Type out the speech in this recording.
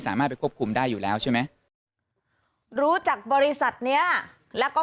สามารถไปควบคุมได้อยู่แล้วใช่ไหมรู้จักบริษัทเนี้ยแล้วก็